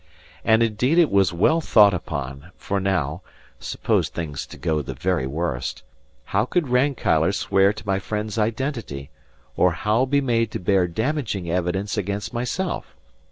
And indeed it was well thought upon; for now (suppose things to go the very worst) how could Rankeillor swear to my friend's identity, or how be made to bear damaging evidence against myself?